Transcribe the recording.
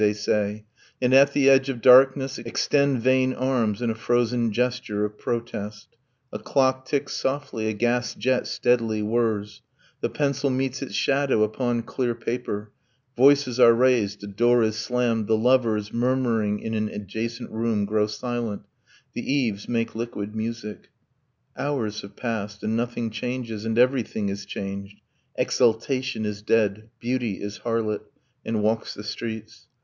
they say, and at the edge of darkness Extend vain arms in a frozen gesture of protest ... A clock ticks softly; a gas jet steadily whirs: The pencil meets its shadow upon clear paper, Voices are raised, a door is slammed. The lovers, Murmuring in an adjacent room, grow silent, The eaves make liquid music. ... Hours have passed, And nothing changes, and everything is changed. Exultation is dead, Beauty is harlot, And walks the streets.